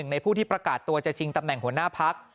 ในผู้ที่ประกาศตัวจะชิงตำแหน่งหัวหน้าพัก